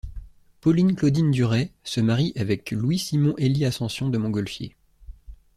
Pauline Claudine Duret se marie avec Louis Simon Élie Ascension de Montgolfier.